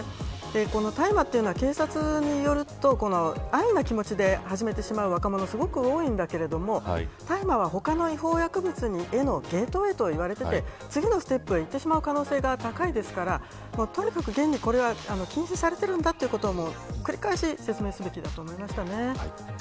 この大麻というのは警察によると安易な気持ちで始めてしまう若者が多いんだけれど大麻は他にも違法な薬物へのゲートと言われていて次のステップにいってしまう可能性が高いですからとにかく、現に禁止されているんだということを繰り返し説明するべきだと思いました。